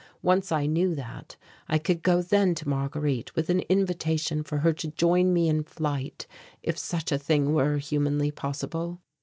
Once I knew that, I could go then to Marguerite with an invitation for her to join me in flight if such a thing were humanly possible.